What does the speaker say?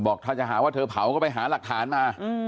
ถ้าจะหาว่าเธอเผาก็ไปหาหลักฐานมา